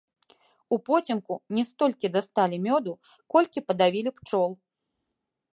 Упоцемку не столькі дасталі мёду, колькі падавілі пчол.